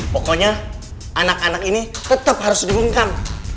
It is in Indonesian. pokoknya anak anak ini tetap harus dihungkam